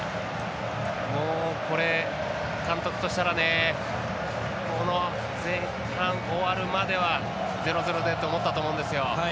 これ、監督としたらこの前半、終わるまでは０−０でと思ったと思うんですよ。